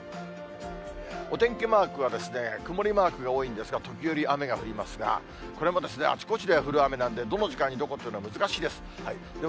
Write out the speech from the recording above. お天気マークは曇りマークが多いんですが、時折雨が降りますが、これもあちこちで降る雨なんで、どの時間にどこというのは難しいです。